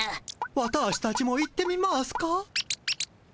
ワターシたちも行ってみますか？